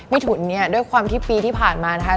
ถุนเนี่ยด้วยความที่ปีที่ผ่านมานะคะ